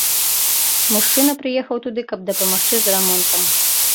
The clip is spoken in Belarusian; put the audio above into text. Мужчына прыехаў туды, каб дапамагчы з рамонтам.